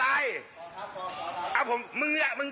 ด้วยความเคารพนะคุณผู้ชมในโลกโซเชียล